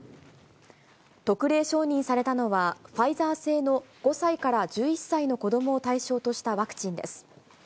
特例承認されたのは、ファイザー製の５歳から１１歳の子どもを対象としたワクチンです。